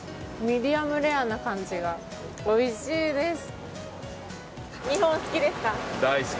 ミディアムレアな感じがおいしいです。